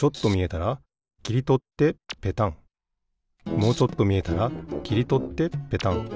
もうちょっとみえたらきりとってペタン。